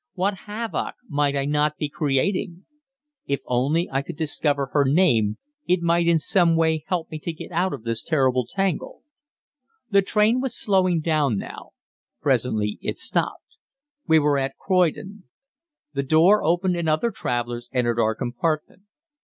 What havoc might I not be creating? If only I could discover her name it might in some way help me to get out of this terrible tangle. The train was slowing down now. Presently it stopped. We were at Croydon. The door opened and other travellers entered our compartment.